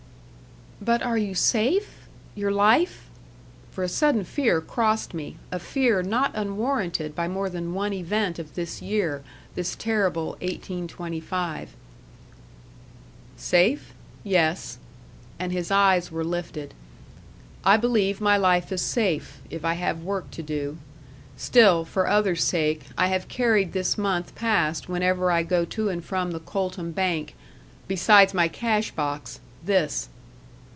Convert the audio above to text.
"But are you safe? your life " For a sudden fear crossed me a fear not unwarranted by more than one event of this year this terrible 1825. "Safe? Yes " and his eyes were lifted, "I believe my life is safe if I have work to do. Still, for others' sake, I have carried this month past whenever I go to and from the Coltham bank, besides my cash box this."